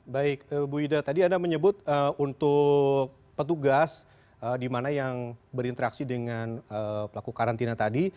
baik bu ida tadi anda menyebut untuk petugas di mana yang berinteraksi dengan pelaku karantina tadi